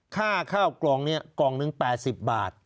ค่าข้าวกล่องเนี่ยกล่องนึง๘๐บาท